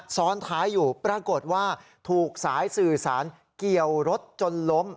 ซ้อนท้ายอยู่ปรากฏว่าถูกสายสื่อสารเกี่ยวรถจนล้ม